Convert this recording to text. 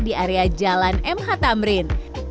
saya jalan mh tamrin